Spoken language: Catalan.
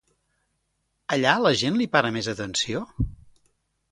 Allà la gent li para més atenció?